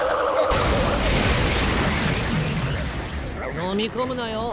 飲み込むなよ